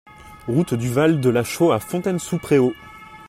Route du Val de la Chaux à Fontaine-sous-Préaux